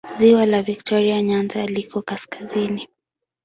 Ziwa la Viktoria Nyanza liko kaskazini.